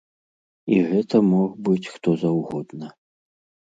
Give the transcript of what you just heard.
І гэта мог быць хто заўгодна.